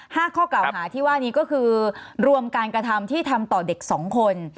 ข้อกล่าวหาที่ว่านี้ก็คือรวมการกระทำที่ทำต่อเด็กสองคน